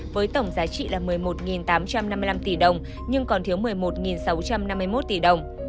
với tổng giá trị là một mươi một tám trăm năm mươi năm tỷ đồng nhưng còn thiếu một mươi một sáu trăm năm mươi một tỷ đồng